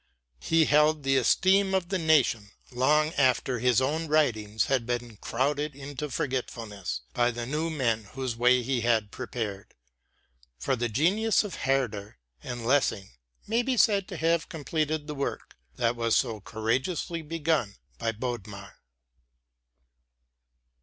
He held the esteem of the nation long after his own writings had been crowded into forgetfulness by the new men whose way he had prepared, for the genius of Herder and Lessing may be said to have completed the work that was so courageously begun by Bodmer.